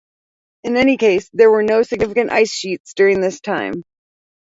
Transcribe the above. In any case, there were no significant ice sheets during this time.